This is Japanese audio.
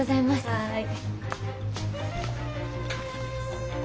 はい。